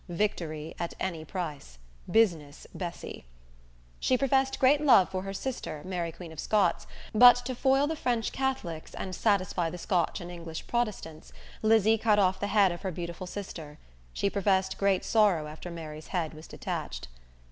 Victory at any price. Business Bessy! She professed great love for her sister, Mary Queen of Scots, but to foil the French Catholics and satisfy the Scotch and English Protestants, Lizzie cut off the head of her beautiful sister. She professed great sorrow after Mary's head was detached.